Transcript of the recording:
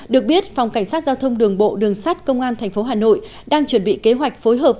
được biết phòng cảnh sát giao thông đường bộ đường sát công an tp hà nội đang chuẩn bị kế hoạch phối hợp